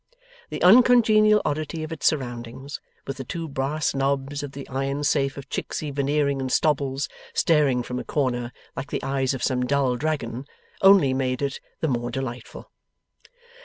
The uncongenial oddity of its surroundings, with the two brass knobs of the iron safe of Chicksey, Veneering, and Stobbles staring from a corner, like the eyes of some dull dragon, only made it the more delightful.